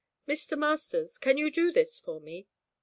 'Mr. Masters, can you do this for me?'